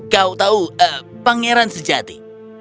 kau tahu pangeran sejati